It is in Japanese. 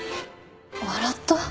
笑った？